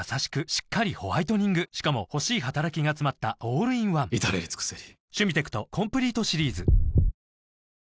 しっかりホワイトニングしかも欲しい働きがつまったオールインワン至れり尽せり